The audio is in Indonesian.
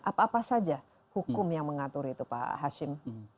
apa apa saja hukum yang mengatur itu pak hashim